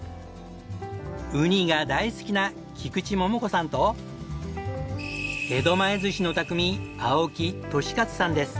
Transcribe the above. ウニが大好きな菊池桃子さんと江戸前寿司の匠青木利勝さんです。